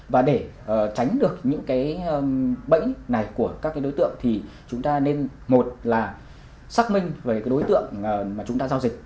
và để tránh được những bẫy này của các đối tượng thì chúng ta nên một là xác minh với đối tượng mà chúng ta giao dịch